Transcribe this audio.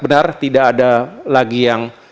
benar tidak ada lagi yang